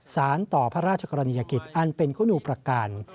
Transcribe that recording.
สารต่อพระราชกรณียกิจอันเป็นคุณูประการ